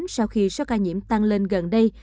sau khi số ca nhiễm tăng lên gần đây